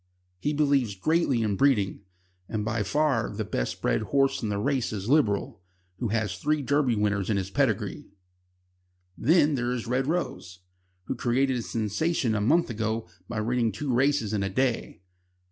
He believes greatly in breeding, and by far the best bred horse in the race is Liberal, who has three Derby winners in his pedigree. Then there is Red Rose, who created a sensation a month ago by winning two races in a day.